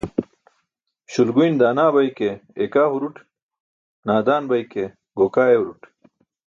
Śulguyn daana bay ke eekaa hurut, naadaan bay ke gookaa ewrut.